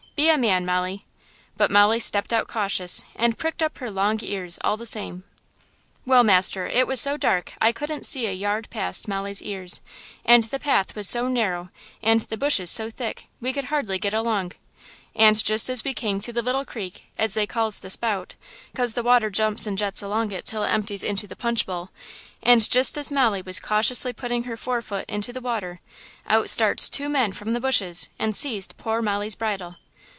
Be a man, Molly!' But Molly stepped out cautious and pricked up her long ears all the same. "Well, master, it was so dark I couldn't see a yard past Molly's ears, and the path was so narrow and the bushes so thick we could hardly get along; and just as we came to the little creek, as they calls the Spout, 'cause the water jumps and jets along it till it empties into the Punch Bowl, and just as Molly was cautiously putting her fore foot into the water, out starts two men from the bushes and seized poor Molly's bridle!"